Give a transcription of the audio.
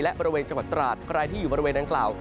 และบริเวณจังหวัดตราดใครที่อยู่บริเวณดังกล่าว